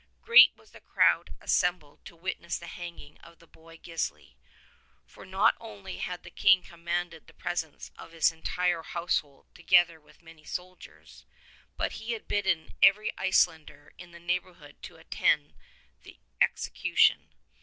Great was the crowd assem bled to witness the hanging of the boy Gisli, for not only had the King commanded the presence of his entire household together with many soldiers, but he had bidden every Icelander in the neighborhood to attend the ex ecution.